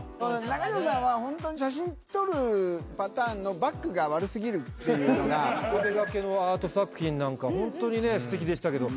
中城さんは、本当に写真撮るパターンのバックが悪すぎるって壁掛けのアート作品なんか、本当にすてきでしたけど。